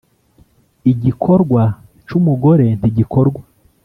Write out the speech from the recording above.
igikorwa c'umugore ntigikorwa